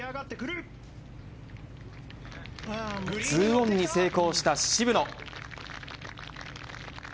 ２オンに成功した渋野。